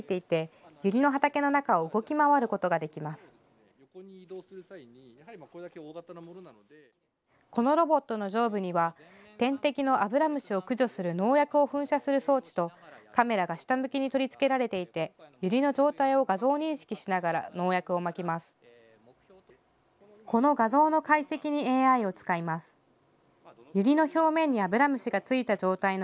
この画像の解析にＡＩを使います。